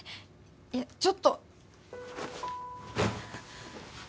いやちょっと。